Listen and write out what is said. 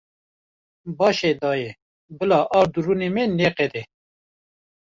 Baş e dayê, bila ard û rûnê me neqede.